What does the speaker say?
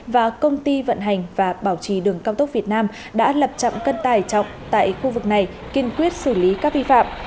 và công ty vận hành và bảo trì đường cao tốc việt nam đã lập trạm cân tài trọng tại khu vực này kiên quyết xử lý các vi phạm